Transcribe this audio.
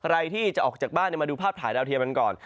ใครที่จะออกจากบ้านมาดูภาพถ่ายดาวเทียมกันก่อน